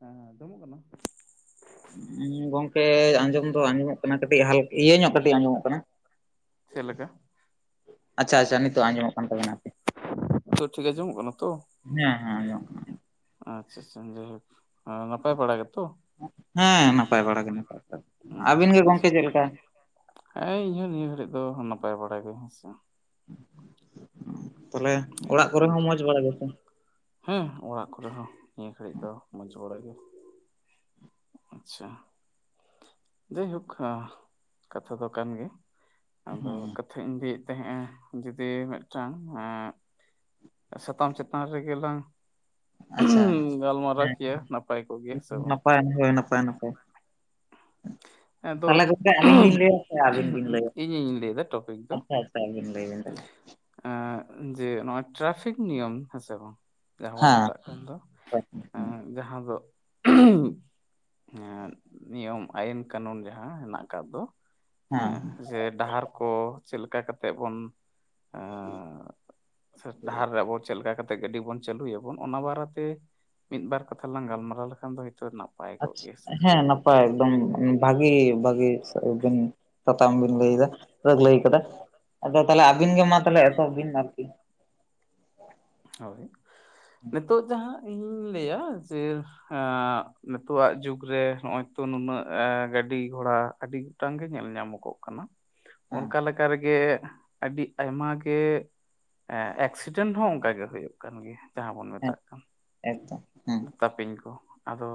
ᱦᱮᱸ ᱦᱮᱸ ᱟᱸᱡᱚᱢᱚᱜ ᱠᱟᱱᱟ? ᱜᱚᱝᱠᱮ ᱟᱸᱡᱚᱢ ᱫᱚ ᱟᱸᱡᱚᱢᱚᱜ ᱠᱟᱱᱟ ᱠᱟᱹᱴᱤᱡ ᱦᱟᱞ ᱤᱭᱟᱹ ᱧᱚᱜ ᱠᱟᱹᱴᱤᱡ ᱟᱸᱡᱚᱢᱚᱜ ᱠᱟᱱᱟ ᱾ ᱪᱮᱫ ᱞᱮᱠᱟ? ᱟᱪᱪᱷᱟ ᱟᱪᱪᱷᱟ ᱱᱤᱛᱚᱜ ᱟᱸᱡᱚᱢᱚᱜ ᱠᱟᱱ ᱛᱟᱵᱮᱱᱟ ᱟᱠᱤ ᱾ ᱛᱚ ᱴᱷᱤᱠ ᱟᱸᱡᱚᱢᱚᱜ ᱠᱟᱱᱟ ᱛᱚ ᱦᱮᱸ ᱦᱮᱸ ᱟᱸᱡᱚᱢᱚᱜ ᱠᱟᱱᱟ ᱾ ᱟᱪᱪᱷᱟ ᱟᱪᱷᱟ ᱡᱟᱭᱦᱳᱠ ᱱᱟᱯᱟᱭ ᱵᱟᱲᱟ ᱜᱮᱛᱚ? ᱦᱮᱸ ᱱᱟᱯᱟᱭ ᱵᱟᱲᱟ ᱜᱮ ᱱᱤᱛᱚᱜ ᱫᱚ ᱾ ᱟᱪᱪᱷᱟ ᱟᱪᱪᱷᱟ ᱾ ᱟᱵᱮᱱ ᱜᱮ ᱜᱚᱝᱠᱮ ᱪᱮᱫ ᱞᱮᱠᱟ ᱦᱮᱱᱟᱜ ᱵᱤᱱᱟ? ᱦᱮᱸ ᱤᱧ ᱦᱚ ᱱᱤᱭᱟᱹ ᱜᱷᱟᱹᱲᱤᱡ ᱫᱚ ᱱᱟᱯᱟᱭ ᱵᱟᱲᱟ ᱜᱮ ᱦᱮᱸᱥᱮ ᱾ ᱛᱟᱦᱚᱞᱮ ᱚᱲᱟᱜ ᱠᱚᱨᱮ ᱦᱚᱸ ᱢᱚᱸᱡᱽ ᱵᱟᱲᱟ ᱜᱮᱥᱮ? ᱦᱮᱸ ᱚᱲᱟᱜ ᱠᱚᱨᱮ ᱦᱚᱸ ᱱᱤᱭᱟᱹ ᱜᱷᱟᱹᱲᱤᱡ ᱫᱚ ᱢᱚᱡᱽ ᱵᱚᱲᱟ ᱜᱮ ᱾ ᱟᱪᱪᱷᱟ ᱡᱟᱭᱦᱳᱠ ᱠᱟᱛᱷᱟ ᱫᱚ ᱠᱟᱱ ᱜᱮ ᱾ ᱟᱫᱚ ᱦᱮᱸ ᱠᱟᱛᱷᱟ ᱤᱧ ᱞᱟᱹᱭᱮᱫ ᱛᱟᱦᱮᱸᱫ-ᱟ ᱡᱩᱫᱤ ᱢᱮᱫᱴᱟᱝ ᱮᱸᱻ ᱥᱟᱛᱟᱢ ᱪᱮᱛᱟᱱ ᱨᱮᱜᱮ ᱞᱟᱝ ᱟᱪᱪᱷᱟ [unintelligible] ᱜᱟᱞᱢᱟᱨᱟᱣ ᱠᱮᱭᱟ ᱱᱟᱯᱟᱭ ᱠᱚᱜ ᱜᱮᱭᱟ ᱦᱮᱸ ᱥᱮ ᱵᱟᱝ? ᱯᱟᱭ ᱦᱳᱭ ᱱᱟᱯᱟᱭ ᱱᱟᱯᱟᱭ ᱾ ᱟᱫᱚ ᱛᱟᱦᱚᱞᱮ ᱜᱚᱝᱠᱮ ᱟᱹᱞᱤᱧ ᱞᱤᱧ ᱞᱟᱹᱭᱟ ᱥᱮ ᱟᱹᱵᱤᱱ ᱵᱤᱱ ᱞᱟᱹᱭᱟ? ᱤᱧᱤᱧ ᱞᱟᱹᱭ ᱮᱫᱟ ᱴᱚᱯᱤᱠ ᱟᱪᱪᱷᱟ ᱟᱪᱪᱷᱟ᱾ ᱛᱟ ᱟᱹᱵᱤᱱ ᱞᱟᱹᱭ ᱵᱤᱱ ᱛᱟᱞᱦᱮ ᱾ ᱮᱸᱜ ᱡᱮ ᱱᱚᱜᱼᱚᱭ ᱴᱨᱟᱯᱷᱤᱠ ᱱᱤᱭᱚᱢ ᱦᱮᱸᱥᱮ ᱵᱟᱝ? ᱡᱟᱦᱟᱸ ᱵᱚᱱ ᱦᱮᱸ ᱢᱮᱛᱟᱜ ᱠᱟᱱ ᱫᱚ, ᱮ ᱦᱮᱸ ᱡᱟᱦᱟᱸ ᱫᱚ [unintelligible] ᱮᱫ ᱱᱤᱭᱚᱢ ᱟᱹᱭᱤᱱ ᱠᱟᱹᱱᱩᱱ ᱡᱟᱦᱟᱸ ᱦᱮᱱᱟᱜ ᱟᱠᱟᱫ ᱫᱚ ᱦᱮᱸ ᱡᱮ ᱰᱟᱦᱟᱨ ᱠᱚ ᱪᱮᱫ ᱞᱮᱠᱟ ᱠᱟᱛᱮᱜ ᱵᱚᱱ ᱮᱸ ᱥᱮ ᱰᱟᱦᱟᱨ ᱨᱮ ᱟᱵᱚ ᱪᱮᱫ ᱞᱮᱠᱟ ᱠᱟ ᱛᱮᱜ ᱜᱟᱹᱰᱤ ᱵᱚᱱ ᱪᱟᱹᱞᱩᱭᱟᱵᱚᱱ ᱚᱱᱟ ᱵᱟᱨᱮᱛᱮ ᱢᱤᱫ ᱵᱟᱨ ᱠᱟᱛᱷᱟ ᱞᱟᱝ ᱜᱟᱞᱢᱟᱨᱟᱣ ᱞᱮᱠᱷᱟᱱ ᱫᱚ ᱦᱳᱭᱛᱚ ᱱᱟ ᱟᱪᱷᱟ ᱦᱮᱸ ᱱᱟᱯᱟᱭ ᱮᱠᱫᱚᱢ ᱵᱷᱟᱜᱤ ᱵᱷᱟᱹᱜᱤ ᱵᱤᱱ ᱥᱟᱛᱟᱢ ᱵᱤᱱ ᱞᱟᱹᱭ ᱫᱟ ᱞᱟᱹᱭ ᱠᱟᱫᱟ, ᱟᱫᱚ ᱛᱟᱦᱚᱞᱮ ᱟᱵᱤᱱ ᱜᱮ ᱢᱟ ᱛᱟᱦᱚᱞᱮ ᱮᱛᱚᱦᱚᱵ ᱵᱤᱱ ᱟᱨᱠᱤ᱾ ᱦᱳᱭ ᱱᱤᱛᱚᱜ ᱡᱟᱦᱟᱸ ᱤᱧᱤᱧ ᱞᱟᱹᱭᱟ ᱡᱮ ᱦᱮᱸ ᱱᱤᱛᱳᱜᱟᱜ ᱡᱩᱜᱽ ᱨᱮ ᱱᱚᱸᱜᱼᱚᱭ ᱛᱚ ᱱᱩᱱᱟᱹᱜ ᱜᱟᱹᱰᱤ ᱜᱷᱚᱲᱟ ᱟᱹᱰᱤ ᱴᱟᱝ ᱜᱮ ᱧᱮᱞ ᱧᱟᱢᱚᱜᱚᱜ ᱠᱟᱱᱟ᱾ ᱦᱮᱸ ᱚᱱᱠᱟ ᱞᱮᱠᱟ ᱨᱮᱜᱮ ᱟᱹᱰᱤ ᱟᱭᱢᱟ ᱜᱮ ᱮᱠᱥᱤᱰᱮᱱᱴ ᱮ ᱦᱚ ᱠᱟ ᱜᱮ ᱦᱩᱭᱩᱜ ᱠᱟᱱ ᱜᱮᱭᱟ ᱡᱟᱦᱟᱸ ᱵᱚᱱ ᱦᱮᱸ ᱢᱮᱛᱟᱜ ᱠᱟᱱ᱾ ᱮᱠᱫᱚᱢ᱾ ᱦᱮᱸ ᱛᱟᱯᱤᱧ ᱠᱚ ᱟᱫᱚ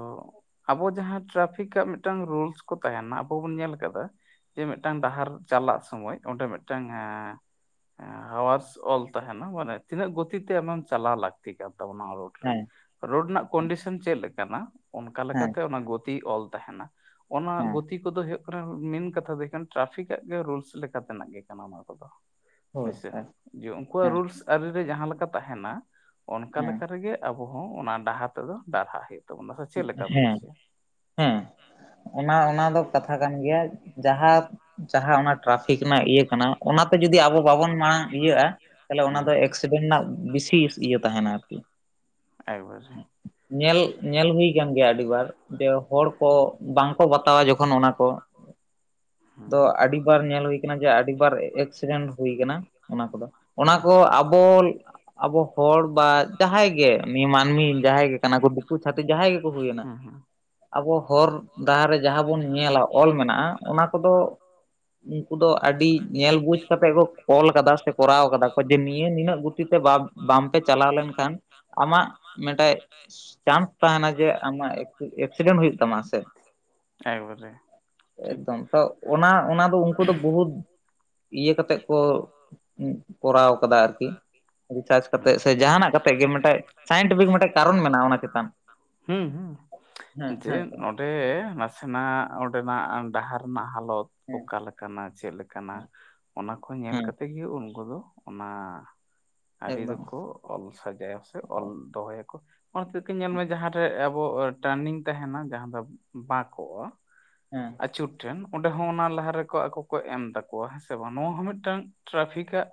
ᱟᱵᱚ ᱡᱟᱦᱟᱸ ᱴᱨᱟᱯᱷᱤᱠᱟᱜ ᱢᱤᱫᱴᱟᱝ ᱨᱩᱞᱥ ᱠᱚ ᱛᱟᱦᱮᱸᱱᱟ ᱟᱵᱚ ᱵᱚᱱ ᱧᱮᱞ ᱠᱟᱫᱟ, ᱡᱮ ᱢᱤᱫᱴᱟᱝ ᱰᱟᱦᱟᱨ ᱪᱟᱞᱟᱜ ᱥᱚᱢᱚᱭ ᱚᱸᱰᱮ ᱢᱤᱫᱴᱟᱝ ᱮᱸ ᱦᱮᱸ ᱦᱟᱣᱟᱨᱥ ᱚᱞ ᱛᱟᱦᱮᱸᱱᱟ ᱢᱟᱱᱮ ᱛᱤᱱᱟᱹᱜ ᱜᱚᱛᱤ ᱛᱮ ᱟᱢᱮᱢ ᱪᱟᱞᱟᱣ ᱞᱟᱹᱠᱛᱤ ᱠᱟᱱ ᱛᱟᱵᱚᱱᱟ ᱨᱳᱰ ᱨᱮ᱾ ᱦᱮᱸ ᱨᱳᱰ ᱨᱮᱱᱟᱜ ᱠᱚᱱᱰᱤᱥᱚᱱ ᱪᱮᱫ ᱞᱮᱠᱟᱱᱟ ᱚᱱᱠᱟ ᱦᱮᱸ ᱞᱮᱠᱟᱛᱮ ᱚᱱᱟ ᱜᱚᱛᱤ ᱚᱞ ᱛᱟᱦᱮᱸᱱᱟ᱾ ᱚᱱᱟ ᱦᱮᱸ ᱜᱚᱛᱤ ᱠᱚᱫᱚ ᱦᱩᱭᱩᱜ ᱠᱟᱱᱟ ᱢᱮᱱ ᱠᱟᱛᱷᱟ ᱫᱚ ᱦᱩᱭᱩᱜ ᱠᱟᱱᱟ ᱴᱨᱟᱯᱷᱤᱠᱟᱜ ᱜᱮ ᱨᱩᱞᱥ ᱞᱮᱠᱟ ᱛᱮᱱᱟᱜ ᱜᱮ ᱠᱟᱱᱟ ᱚᱱᱟ ᱠᱚᱫᱚ᱾ ᱦᱳᱭ ᱦᱳᱭᱥᱮ ᱦᱮᱸ ᱡᱮ ᱩᱱᱠᱩᱣᱟᱜ ᱨᱩᱞᱥ ᱟᱹᱨᱤ ᱨᱮ ᱡᱟᱦᱟᱸ ᱞᱮᱠᱟ ᱛᱟᱦᱮᱸᱱᱟ ᱚᱱᱠᱟ ᱦᱮᱸ ᱞᱮᱠᱟ ᱨᱮᱜᱮ ᱟᱵᱚ ᱦᱚᱸ ᱚᱱᱟ ᱰᱟᱦᱟᱨ ᱛᱮᱫᱚ ᱰᱟᱨᱦᱟ ᱦᱩᱭᱩᱜ ᱛᱟᱵᱚᱱᱟ ᱥᱮ ᱪᱮᱫ ᱞᱮᱠᱟᱢ ᱞᱟᱹᱭ ᱦᱮᱸ᱾ ᱦᱚᱪᱚᱭᱟ ᱦᱩᱸ ᱦᱮᱸ ᱚᱱᱟ ᱚᱱᱟ ᱫᱚ ᱠᱟᱛᱷᱟ ᱠᱟᱱ ᱜᱮᱭᱟ, ᱡᱟᱦᱟᱸ ᱡᱟᱦᱟᱸ ᱚᱱᱟ ᱴᱨᱟᱯᱷᱤᱠ ᱨᱮᱱᱟᱜ ᱤᱭᱟᱹ ᱠᱟᱱᱟ ᱚᱱᱟᱛᱮ ᱡᱩᱫᱤ ᱟᱵᱚ ᱵᱟᱵᱚᱱ ᱢᱟᱲᱟᱝ ᱤᱭᱟᱹᱜᱼᱟ, ᱛᱟᱦᱚᱞᱮ ᱚᱱᱟ ᱫᱚ ᱮᱠᱥᱤᱰᱮᱱᱴ ᱨᱮᱱᱟᱜ ᱵᱤᱥᱤ ᱤᱭᱟᱹ ᱛᱟᱦᱮᱸᱱᱟ ᱟᱨᱠᱤ᱾ ᱮᱠᱵᱟᱨᱮ ᱧᱮᱞ ᱧᱮᱞ ᱦᱩᱭ ᱠᱟᱱ ᱜᱮᱭᱟ ᱟᱹᱰᱤ ᱵᱟᱨ ᱡᱮ ᱦᱚᱲ ᱠᱚ ᱵᱟᱝ ᱠᱚ ᱵᱟᱛᱟᱣᱟ ᱡᱚᱠᱷᱚᱱ ᱚᱱᱟ ᱠᱚ ᱫᱚ ᱦᱮᱸ᱾ ᱟᱹᱰᱤ ᱵᱟᱨ ᱧᱮᱞ ᱦᱩᱭ ᱠᱟᱱᱟ ᱡᱮ ᱟᱹᱰᱤ ᱵᱟᱨ ᱮᱠᱥᱤᱰᱮᱱᱴ ᱦᱩᱭ ᱠᱟᱱᱟ, ᱚᱱᱟ ᱠᱚᱫᱚ ᱚᱱᱟ ᱠᱚ ᱟᱵᱚ ᱟᱵᱚ ᱦᱚᱲ ᱵᱟ ᱡᱟᱦᱟᱸᱭ ᱜᱮ ᱩᱱᱤ ᱢᱟᱹᱱᱢᱤ ᱡᱟᱦᱟᱸᱭ ᱜᱮ ᱠᱟᱱᱟ ᱠᱚ ᱫᱤᱠᱩ ᱪᱷᱟᱛᱤᱠ ᱡᱟᱦᱟᱸᱭ ᱜᱮᱠᱚ ᱦᱩᱭᱮᱱᱟ, ᱦᱩᱸ ᱦᱩᱸ ᱟᱵᱚ ᱦᱚᱨ ᱰᱟᱦᱟᱨ ᱨᱮ ᱡᱟᱦᱟᱸ ᱵᱚᱱ ᱧᱮᱞᱟ ᱚᱞ ᱢᱮᱱᱟᱜᱼᱟ, ᱚᱱᱟ ᱠᱚᱫᱚ ᱩᱝᱠᱩ ᱫᱚ ᱟᱹᱰᱤ ᱧᱮᱞ ᱵᱩᱡᱽ ᱠᱟᱛᱮᱜ ᱠᱚ ᱚᱞ ᱠᱟᱫᱟ ᱥᱮ ᱠᱚᱨᱟᱣ ᱠᱟᱫᱟ ᱠᱚ ᱡᱮ ᱱᱤᱭᱟᱹ ᱱᱤᱱᱟᱹᱜ ᱜᱚᱛᱤ ᱛᱮ ᱵᱟ ᱵᱟᱢᱯᱮ ᱪᱟᱞᱟᱣ ᱞᱮᱱᱠᱷᱟᱱ ᱟᱢᱟᱜ ᱢᱤᱫᱴᱮᱡ ᱪᱟᱱᱥ ᱛᱟᱦᱮᱸᱱᱟ ᱡᱮ ᱟᱢᱟᱜ [unintelligible] ᱛᱟᱢᱟ ᱥᱮ ᱮᱠᱵᱟᱨᱮ᱾ ᱴᱷᱤᱠ ᱮᱠᱫᱚᱢ, ᱛᱚ ᱚᱱᱟ ᱚᱱᱟ ᱫᱚ ᱩᱱᱠᱩ ᱫᱚ ᱵᱚᱦᱩᱫ ᱤᱭᱟᱹ ᱠᱟᱛᱮᱫ ᱠᱚ ᱩᱸᱜ ᱠᱚᱨᱟᱣ ᱠᱟᱫᱟ ᱟᱨᱠᱤ᱾ ᱨᱤᱥᱟᱨᱪ ᱠᱟᱛᱮ ᱦᱩᱸ ᱥᱮ ᱡᱟᱦᱟᱸᱱᱟᱜ ᱠᱟᱛᱮ ᱜᱮ ᱢᱤᱫᱴᱮᱱ ᱥᱟᱭᱮᱱᱴᱤᱯᱷᱤᱠ ᱢᱤᱫᱴᱮᱡ ᱠᱟᱨᱚᱱ ᱢᱮᱱᱟᱜᱼᱟ, ᱚᱱᱟ ᱪᱮ ᱦᱩᱸ ᱦᱩᱸ ᱡᱮ ᱦᱮᱸ ᱛᱚ ᱱᱚᱰᱮ ᱱᱟᱥ ᱥᱮᱱᱟᱜ ᱚᱸᱰᱮᱱᱟᱜ ᱰᱟᱦᱟᱨ ᱨᱮᱱᱟᱜ ᱦᱟᱞᱚᱛ ᱦᱮᱸ ᱚᱠᱟᱮᱠᱟᱱᱟ ᱪᱮᱫᱞᱮᱠᱟᱱᱟ ᱦᱮᱸ ᱚᱱᱟ ᱠᱚ ᱧᱮᱞ ᱦᱮᱸ ᱠᱟᱛᱮ ᱜᱮ ᱩᱱᱠᱩ ᱫᱚ ᱚᱱᱟ ᱟᱹᱨᱤ ᱮᱠᱫᱚᱢ ᱫᱚᱠᱚ ᱚᱞ ᱥᱟᱡᱟᱭᱟ ᱥᱮ ᱚᱞ ᱫᱚᱦᱚᱭᱟᱠᱚ᱾ ᱚᱱᱟ ᱦᱚᱛᱮᱡ ᱛᱮ ᱧᱮᱞ ᱢᱮ ᱡᱟᱦᱟᱸᱨᱮ ᱟᱵᱚ ᱴᱟᱨᱱᱤᱝ ᱛᱟᱦᱮᱸᱱᱟ ᱡᱟᱦᱟᱸ ᱫᱚ ᱵᱟᱝ ᱠᱚᱜᱼᱟ ᱦᱮᱸ᱾ ᱟᱹᱪᱩᱨ ᱴᱨᱮᱱ ᱚᱸᱰᱮ ᱦᱚᱸ ᱚᱱᱟ ᱞᱟᱦᱟ ᱨᱮᱠᱚ ᱟᱠᱚ ᱠᱚ ᱮᱢ ᱛᱟᱠᱚᱣᱟ ᱦᱮᱸ ᱥᱮ ᱵᱟᱝ ᱱᱚᱣᱟ ᱦᱚᱸ ᱢᱤᱫᱴᱟᱝ ᱴᱨᱟᱯᱷᱤᱠᱟᱜ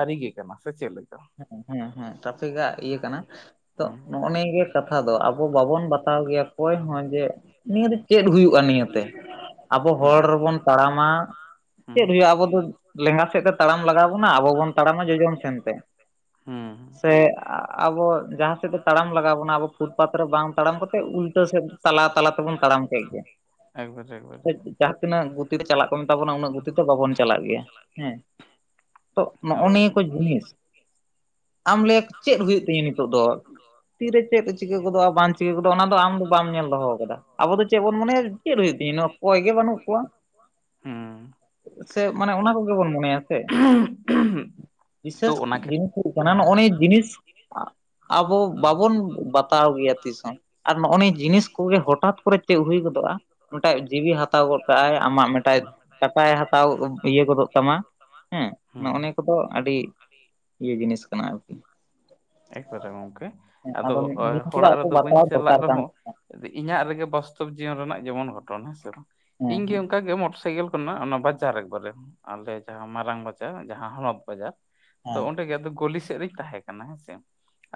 ᱟᱹᱨᱤᱜᱮ ᱠᱟᱱᱟ ᱥᱮ ᱪᱮᱫ ᱞᱟᱹᱜᱤᱫ? ᱦᱮᱸ ᱦᱮᱸ ᱴᱨᱟᱯᱷᱤᱠᱜ ᱤᱭᱟᱹ ᱠᱟᱱᱟ ᱛᱚ ᱦᱩᱸ ᱱᱚᱜᱼᱚᱭ ᱱᱤᱭᱟᱹᱜᱮ ᱠᱟᱛᱷᱟ ᱫᱚ ᱟᱵᱚ ᱵᱟᱵᱚᱱ ᱵᱟᱛᱟᱣ ᱜᱮᱭᱟ ᱠᱚᱭ ᱦᱚᱸ ᱡᱮ ᱱᱤᱭᱟᱹ ᱫᱚ ᱪᱮᱫ ᱦᱩᱭᱩᱜ [unintelligible] ᱱᱤᱭᱟᱹᱛᱮ ᱟᱵᱚ ᱦᱩᱸ ᱦᱚᱲ ᱨᱮᱵᱚᱱ ᱛᱟᱲᱟᱢᱟ ᱦᱩᱸ ᱪᱮᱫ ᱦᱩᱭᱩᱜᱼᱟ ᱟᱵᱚ ᱫᱚ ᱞᱮᱸᱜᱟ ᱥᱮᱫ ᱛᱮ ᱛᱟᱲᱟᱢ ᱞᱟᱜᱟᱣ ᱵᱚᱱᱟ ᱟᱵᱚ ᱵᱚᱱ ᱛᱟᱲᱟᱢᱟ ᱡᱚᱡᱚᱢ ᱥᱮᱱᱛᱮ ᱦᱩᱸ ᱥᱮ ᱟᱵᱚ ᱡᱟᱦᱟᱸ ᱥᱮᱫ ᱫᱚ ᱛᱟᱲᱟᱢ ᱞᱟᱜᱟᱣ ᱵᱚᱱᱟ ᱟᱵᱚ ᱯᱷᱩᱴ ᱯᱟᱛ ᱨᱮ ᱵᱟᱝ ᱛᱟᱲᱟᱢ ᱠᱟᱛᱮᱫ ᱩᱞᱴᱟᱹ ᱥᱮᱫ ᱛᱟᱞᱟ ᱛᱟᱞᱟ ᱛᱮᱵᱚᱱ ᱛᱟᱲᱟᱢ ᱠᱮᱫ ᱜᱮ ᱮᱠᱵᱟᱨᱮ ᱮᱠᱵᱟᱨᱮ [unintelligible] ᱡᱟᱦᱟᱸ ᱛᱤᱱᱟᱹᱜ ᱜᱩᱛᱤᱛᱮ ᱪᱟᱞᱟᱜ ᱠᱚ ᱢᱮᱛᱟ ᱛᱟᱵᱚᱱᱟ ᱩᱱᱟᱹᱜ ᱜᱩᱛᱤ ᱛᱮ ᱵᱟᱵᱚᱱ ᱪᱟᱞᱟᱜ ᱜᱮᱭᱟ ᱦᱮᱸ, ᱛᱚ ᱱᱚᱜᱼᱚ ᱦᱳᱭ ᱱᱤᱭᱟᱹ ᱠᱚ ᱡᱤᱱᱤᱥ ᱟᱢ ᱞᱟᱭᱟ ᱪᱮᱫ ᱦᱩᱭᱩᱜ ᱛᱤᱧᱟᱹ ᱱᱤᱛᱚᱜ ᱫᱚ ᱛᱤᱨᱮ ᱪᱮᱫ ᱪᱤᱠᱟᱹ ᱜᱚᱫᱚᱜᱼᱟ ᱵᱟᱝ ᱪᱤᱠᱟᱹ ᱜᱚᱫᱚᱜᱼᱟ ᱚᱱᱟ ᱫᱚ ᱟᱢ ᱫᱚ ᱵᱟᱢ ᱧᱮᱞ ᱫᱚᱦᱚ ᱠᱟᱫᱟ, ᱟᱵᱚ ᱫᱚ ᱪᱮᱫ ᱵᱚᱱ ᱢᱚᱱᱮᱭᱟ ᱪᱮᱫ ᱦᱩᱭᱩᱜ ᱛᱤᱧᱟᱹ ᱠᱚᱭ ᱜᱮ ᱵᱟᱹᱱᱩᱜ ᱠᱚᱣᱟ ᱦᱩᱸ ᱥᱮ ᱢᱟᱱᱮ ᱚᱱᱟ ᱠᱚᱜᱮ ᱵᱚᱱ ᱢᱚᱱᱮᱭᱟ ᱥᱮ, ᱛᱚ ᱵᱤᱥᱮᱥ ᱚᱱᱟ ᱠᱷᱮᱛ [unintelligible] ᱠᱟᱱᱟ ᱱᱚᱜᱼᱚ ᱦᱮᱸ ᱱᱤᱭᱟᱹ ᱡᱤᱱᱤᱥ ᱟᱵᱚ ᱦᱩᱸ ᱵᱟᱵᱚᱱ ᱵᱟᱛᱟᱣ ᱜᱮᱭᱟ ᱛᱤᱥ ᱦᱚᱸ ᱟᱨ ᱱᱚᱜᱼᱚ ᱱᱤᱭᱟᱹ ᱡᱤᱱᱤᱥ ᱠᱚᱜᱮ ᱦᱚᱴᱟᱛ ᱠᱚᱨᱮ ᱪᱮᱫ ᱦᱩᱭ ᱜᱚᱫᱚᱜᱼᱟ ᱢᱤᱫᱴᱟᱡ ᱡᱤᱣᱤ ᱦᱟᱛᱟᱣ ᱜᱚᱫ ᱠᱟᱜ ᱟᱭ ᱟᱢᱟᱜ ᱢᱤᱫᱴᱟᱡ ᱠᱟᱴᱟᱭ ᱦᱟᱛᱟᱣ ᱤᱭᱟᱹ ᱜᱚᱫᱚᱜ ᱛᱟᱢᱟ ᱦᱮᱸ ᱱᱚᱜᱼᱚ ᱱᱤᱭᱟᱹ ᱠᱚᱫᱚ ᱟᱹᱰᱤ ᱤᱭᱟᱹ ᱡᱤᱱᱤᱥ ᱠᱟᱱᱟ ᱟᱨ ᱮᱠᱵᱟᱨᱮ ᱜᱚᱝᱠᱮ ᱦᱮᱸ ᱟᱫᱚ ᱚ ᱱᱤᱭᱟᱹ ᱠᱚᱫᱚ ᱦᱚᱲᱟᱜ ᱟᱵᱚ ᱨᱮᱫᱚ ᱵᱟᱹᱧ ᱵᱟᱛᱟᱣ ᱪᱟᱞᱟᱜ ᱫᱚᱨᱠᱟᱨ ᱠᱟᱱ ᱨᱮᱦᱚᱸ ᱛᱟᱵᱚᱱᱟ ᱤᱧᱟᱹᱜ ᱨᱮᱜᱮ ᱵᱟᱥᱛᱚᱵ ᱡᱤᱭᱚᱱ ᱨᱮᱱᱟᱜ ᱡᱮᱢᱚᱱ ᱜᱷᱚᱴᱚᱱᱟ ᱦᱮᱸ ᱥᱮ ᱵᱟᱝ ᱦᱮᱸ ᱤᱧ ᱜᱮ ᱚᱱᱠᱟ ᱜᱮ ᱢᱚᱴᱚᱨ ᱥᱟᱭᱠᱮᱞ ᱚᱱᱟ ᱵᱟᱡᱟᱨ ᱮᱠᱵᱟᱨᱮ ᱟᱞᱮ ᱡᱟᱦᱟᱸ ᱢᱟᱨᱟᱝ ᱵᱟᱡᱟᱨ ᱡᱟᱦᱟᱸ ᱦᱚᱱᱚᱛ ᱵᱟᱡᱟᱨ ᱦᱮᱸ ᱛᱚ ᱚᱸᱰᱮ ᱜᱮ ᱟᱫᱚ ᱜᱚᱞᱤ ᱥᱮᱫ ᱨᱤᱧ ᱛᱟᱦᱮᱸᱠᱟᱱᱟ ᱦᱮᱸᱥᱮ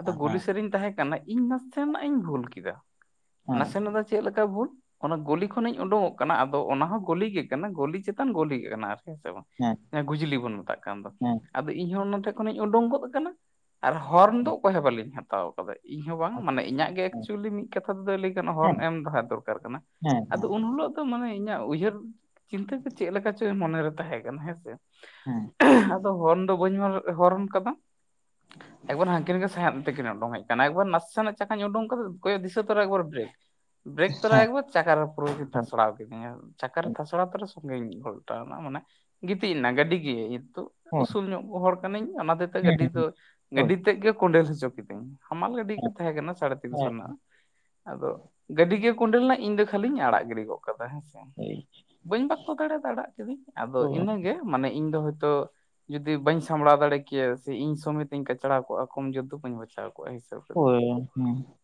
ᱟᱫᱚ ᱦᱮᱸ ᱜᱚᱞᱤ ᱥᱮᱫ ᱨᱤᱧ ᱛᱟᱦᱮᱸᱠᱟᱱᱟ ᱤᱧ ᱱᱟᱥᱮᱱᱟᱜ ᱤᱧ ᱵᱷᱩᱞ ᱠᱮᱫᱟ, ᱦᱮᱸ ᱱᱟᱥᱮᱱᱟᱜ ᱫᱚ ᱪᱮᱫ ᱞᱮᱠᱟ ᱵᱷᱩᱞ ᱚᱱᱟ ᱜᱚᱞᱤ ᱠᱷᱚᱱᱤᱧ ᱩᱰᱩᱝᱚᱜ ᱠᱟᱱᱟ ᱟᱫᱚ ᱚᱱᱟ ᱦᱚᱸ ᱜᱚᱞᱤ ᱠᱟᱱᱟ ᱜᱚᱞᱤ ᱪᱮᱛᱟᱱ ᱜᱚᱞᱤ ᱜᱮ ᱠᱟᱱᱟ ᱟᱨ ᱦᱮᱸ ᱥᱮ ᱵᱟᱝ? ᱦᱮᱸ ᱜᱩᱡᱽᱞᱤ ᱵᱚᱱ ᱢᱮᱛᱟᱜ ᱠᱟᱱ ᱫᱚ ᱦᱮᱸ ᱦᱮᱸ ᱦᱮᱸ ᱟᱫᱚ ᱤᱧᱦᱚ ᱚᱱᱟ ᱴᱷᱮᱡ ᱠᱷᱚᱱᱤᱧ ᱩᱰᱩᱠ ᱜᱚᱫ ᱠᱟᱱᱟ ᱟᱨ ᱦᱚᱨᱱ ᱫᱚ ᱚᱠᱚᱭ ᱦᱚᱸ ᱵᱟᱹᱞᱤᱧ ᱦᱟᱛᱟᱣ ᱠᱟᱫᱟ [unintelligible] ᱤᱧ ᱦᱚᱸ ᱵᱟᱝ ᱢᱟᱱᱮ ᱤᱧᱟᱹᱜ ᱜᱮ ᱮᱠᱪᱩᱭᱮᱞᱤ ᱢᱤᱫ ᱠᱟᱛᱷᱟ ᱛᱮᱫᱚ ᱞᱟᱹᱭ ᱜᱟᱱᱚᱜ ᱦᱚᱨᱚᱱ ᱮᱢ ᱫᱚ ᱦᱟᱸᱜ ᱫᱚᱨᱠᱟᱨ ᱠᱟᱱᱟ ᱦᱮᱸ ᱦᱮᱸ ᱟᱫᱚ ᱩᱱ ᱦᱩᱞᱳᱜ ᱟᱫᱚ ᱢᱟᱱᱮ ᱤᱧᱟᱹᱜ ᱩᱭᱦᱟᱹᱨ ᱪᱤᱱᱛᱟᱹ ᱠᱚ ᱪᱮᱫ ᱞᱮᱠᱟ ᱪᱚ ᱢᱚᱱᱮᱨᱮ ᱛᱟᱦᱮᱸ ᱠᱟᱱᱟ ᱦᱮᱸᱥᱮ ᱦᱮᱸ ᱟᱫᱚ ᱦᱚᱨᱚᱱ ᱫᱚ ᱵᱟᱹᱧ [unintelligible] ᱦᱚᱨᱚᱱ ᱠᱟᱫᱟ ᱮᱵᱟᱨ ᱦᱟᱱᱠᱤᱱ ᱜᱮ ᱥᱟᱸᱭᱟᱫ ᱢᱮᱱᱛᱮᱠᱤᱱ ᱩᱰᱩᱝ ᱦᱮᱡ ᱠᱟᱱᱟ ᱮᱠᱵᱟᱨ ᱱᱟᱥᱮᱱᱟᱜ ᱪᱟᱠᱟᱧ ᱩᱰᱩᱝ ᱠᱟᱫᱟ ᱠᱚᱭᱚᱜ ᱫᱤᱥᱟᱹ ᱛᱚᱨᱟ ᱮᱠᱟᱨ ᱵᱨᱮᱠ ᱵᱨᱮᱠ ᱛᱚᱨᱟ ᱮᱠᱵᱟᱨ ᱪᱟᱠᱟ ᱨᱮ ᱯᱩᱨᱟᱹ ᱠᱤᱱ ᱛᱷᱟᱥᱲᱟᱣ ᱠᱤᱫᱤᱧᱟ ᱪᱟᱠᱟᱨᱮ ᱛᱷᱟᱥᱲᱟ ᱛᱚᱨᱟ ᱥᱚᱝᱜᱮᱧ ᱜᱷᱚᱞᱴᱟᱣᱱᱟ ᱢᱟᱱᱮ ᱜᱤᱛᱤᱡ ᱮᱱᱟ ᱜᱟᱹᱰᱤ ᱜᱮ ᱱᱤᱛᱚᱜ ᱩᱥᱩᱞ ᱧᱚᱜ ᱠᱚ ᱦᱚᱲ ᱠᱟᱹᱱᱟᱹᱧ ᱚᱱᱟ ᱛᱮᱛᱮ ᱦᱮᱸ ᱜᱟᱹᱰᱤ ᱫᱚ ᱦᱮᱸ ᱦᱳᱭ ᱦᱮᱸ ᱦᱮᱸ ᱦᱳᱭ ᱜᱟᱹᱰᱤ ᱛᱮᱫ ᱜᱮ ᱠᱚᱸᱰᱮᱞ ᱦᱚᱪᱚ ᱠᱤᱫᱟᱹᱧ ᱦᱟᱢᱟᱞ ᱜᱟᱹᱰᱤ ᱜᱮ ᱦᱮᱸ ᱛᱟᱦᱮᱸ ᱠᱟᱱᱟ ᱥᱟᱲᱮᱛᱤᱱᱥᱚ ᱨᱮᱱᱟᱜ ᱟᱫᱚ ᱜᱟᱹᱰᱤ ᱜᱮ ᱠᱚᱸᱰᱮᱞᱱᱟ ᱤᱧ ᱫᱚ ᱠᱷᱟᱹᱤᱧ ᱟᱲᱟᱜ ᱜᱤᱰᱤ ᱜᱚᱫ ᱠᱟᱫᱟ ᱦᱮᱸᱥ ᱦᱮᱸ ᱵᱟᱹᱧ ᱵᱟᱠᱛᱚ ᱫᱟᱲᱮᱭᱟᱫᱟ ᱟᱲᱟᱜ ᱠᱤᱫᱟᱹᱧ ᱟᱫᱚ ᱦᱳᱭ ᱤᱱᱟᱹᱜᱮ ᱢᱟᱱᱮ ᱤᱧ ᱫᱚ ᱦᱳᱭᱛᱚ ᱡᱩᱫᱤ ᱵᱟᱹᱧ ᱥᱟᱢᱵᱲᱟᱣ ᱫᱟᱲᱮ ᱠᱮᱭᱟ ᱥᱮ ᱤᱧ ᱥᱚᱢᱮᱛ [unintelligible] ᱠᱟᱪᱲᱟᱟᱣ ᱠᱚᱼᱟ ᱠᱚᱢ ᱡᱚᱨ ᱫᱚ ᱵᱟᱹᱧ ᱵᱟᱡᱟᱣ ᱠᱚᱜᱼᱟ ᱦᱮᱸᱥᱮ ᱦᱳᱭ ᱦᱩᱸ